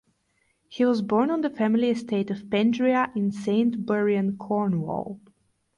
He was born on the family estate of Pendrea in Saint Buryan, Cornwall.